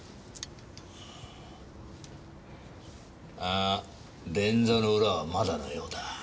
あっ便座の裏はまだのようだ。